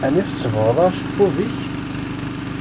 Aɛni tsebɣeḍ acebbub-ik?